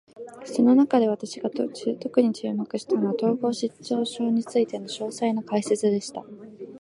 その中で、私が特に注目したのは、統合失調症についての詳細な解説でした。